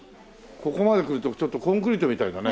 ここまで来るとちょっとコンクリートみたいだね。